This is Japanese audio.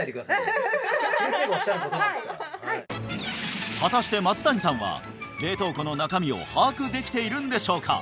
先生がおっしゃることなんだから果たして松谷さんは冷凍庫の中身を把握できているんでしょうか？